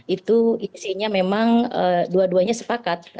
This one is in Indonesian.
itu isinya memang dua duanya sepakat